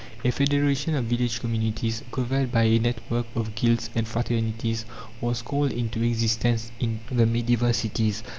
A federation of village communities, covered by a network of guilds and fraternities, was called into existence in the medieval cities.